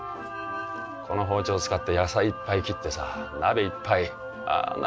この包丁を使って野菜いっぱい切ってさ鍋いっぱいああ